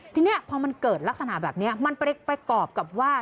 ทีนี้พอมันเกิดลักษณะแบบนี้มันประกอบกับว่า